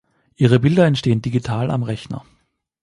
Ihre Bilder entstehen digital am Rechner.